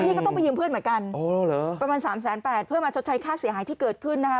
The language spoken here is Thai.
นี่ก็ต้องไปยืมเพื่อนเหมือนกันประมาณสามแสนแปดเพื่อมาชดใช้ค่าเสียหายที่เกิดขึ้นนะคะ